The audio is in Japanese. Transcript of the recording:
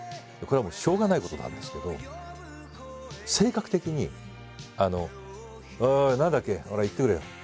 これはもうしょうがないことなんですけど性格的に「おい何だっけ？ほら言ってくれよ。